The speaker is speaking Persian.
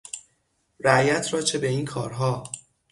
رعیت را چه به این کارها